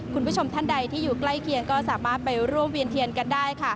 คุณผู้ชมท่านใดที่อยู่ใกล้เคียงก็สามารถไปร่วมเวียนเทียนกันได้ค่ะ